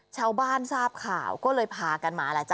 ชาวบ้านทราบข่าวก็เลยพากันมาแล้วจ้